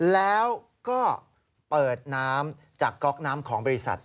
แล้วก็เปิดน้ำจากก๊อกน้ำของบริษัท